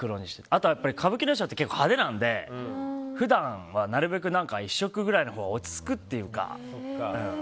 あと歌舞伎衣装って色が派手なので普段はなるべく１色ぐらいのほうが落ち着くというか。